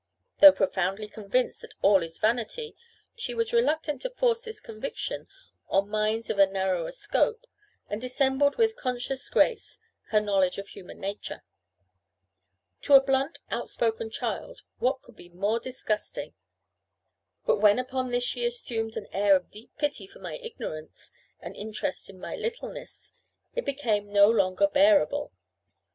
Though profoundly convinced that all is vanity, she was reluctant to force this conviction on minds of a narrower scope, and dissembled with conscious grace her knowledge of human nature. To a blunt, outspoken child, what could be more disgusting? But when upon this was assumed an air of deep pity for my ignorance, and interest in my littleness, it became no longer bearable.